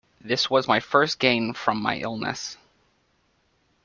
This was my first gain from my illness.